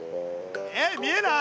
えっ見えない？